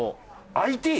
ＩＴ？